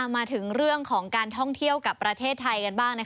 มาถึงเรื่องของการท่องเที่ยวกับประเทศไทยกันบ้าง